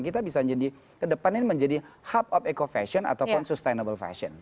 kita bisa jadi kedepannya ini menjadi hub of eco fashion ataupun sustainable fashion